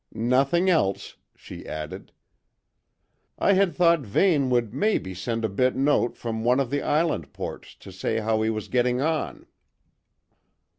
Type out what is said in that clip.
"Nothing else," she added. "I had thought Vane would maybe send a bit note from one of the Island ports to say how he was getting on."